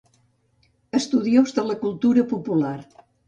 Estudiós de la cultura popular.